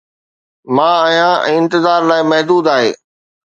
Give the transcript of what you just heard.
مان آهيان ۽ انتظار لامحدود آهي